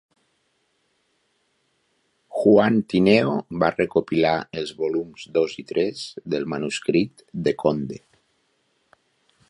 Juan Tineo va recopilar els volums dos i tres del manuscrit de Conde.